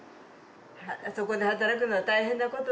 そこで働くのは大変なことね。